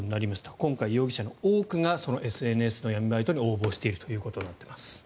今回、容疑者の多くがＳＮＳの闇バイトに応募しているということになっています。